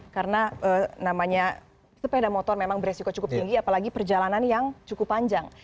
karena namanya sepeda motor memang beresiko cukup tinggi apalagi perjalanan yang cukup panjang